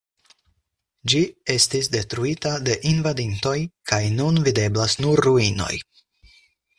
Ĝi estis detruita de invadintoj, kaj nun videblas nur ruinoj.